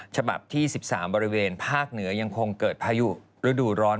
ฉบับที่๑๓บริเวณภาคเหนือยังคงเกิดพายุฤดูร้อน